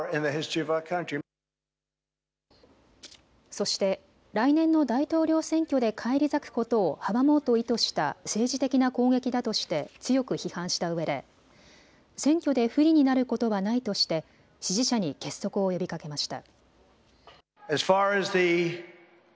そして来年の大統領選挙で返り咲くことを阻もうと意図した政治的な攻撃だとして強く批判したうえで選挙で不利になることはないとして支持者に結束を呼びかけました。